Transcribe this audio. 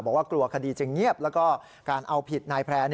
บอกว่ากลัวคดีจะเงียบแล้วก็การเอาผิดนายแพร่